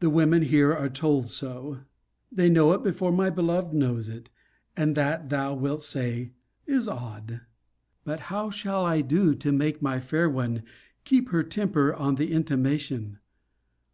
The women here are told so. They know it before my beloved knows it; and that, thou wilt say, is odd. But how shall I do to make my fair one keep her temper on the intimation?